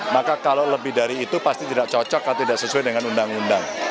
maka kalau lebih dari itu pasti tidak cocok atau tidak sesuai dengan undang undang